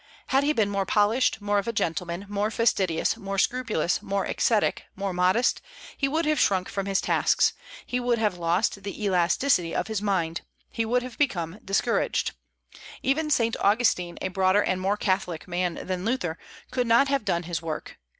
Had he been more polished, more of a gentleman, more fastidious, more scrupulous, more ascetic, more modest, he would have shrunk from his tasks; he would have lost the elasticity of his mind, he would have been discouraged. Even Saint Augustine, a broader and more catholic man than Luther, could not have done his work.